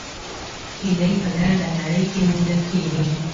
هیلۍ په ګرده نړۍ کې موندل کېږي